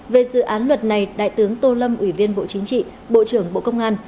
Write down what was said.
về dự án luật này đại tướng tô lâm ủy viên bộ chính trị bộ trưởng bộ công an